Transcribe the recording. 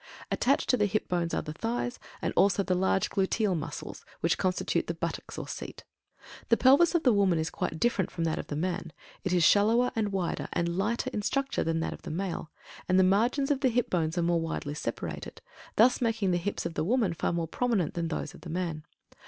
Attached to the Hip Bones are the thighs, and also the large Gluteal Muscles which constitute the buttocks, or "seat." The Pelvis of the woman is quite different from that of the man. It is shallower and wider, and lighter in structure than that of the male, and the margins of the Hip Bones are more widely separated, thus making the hips of the woman far more prominent than those of the man.